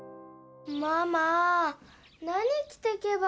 ママ何きてけばいいの？